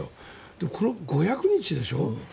でも、５００日でしょ。